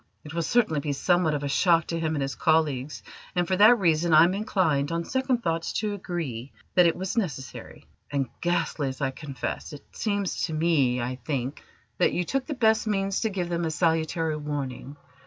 "It will certainly be somewhat of a shock to him and his colleagues, and for that reason I am inclined, on second thoughts, to agree that it was necessary, and ghastly, as I confess; it seems to me, I think, that you took the best means to give them a salutary warning.